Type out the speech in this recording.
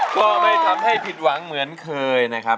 ก็ไม่ทำให้ผิดหวังเหมือนเคยนะครับ